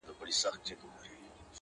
خدايه زارۍ کومه سوال کومه،